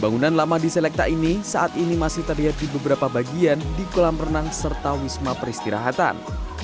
bangunan lama di selekta ini saat ini masih terlihat di beberapa bagian di kolam renang serta wisma peristirahatan